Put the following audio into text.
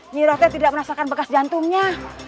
nyi roteh tidak merasakan bekas jantungnya